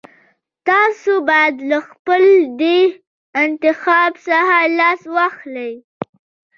تاسو بايد له خپل دې انتخاب څخه لاس واخلئ.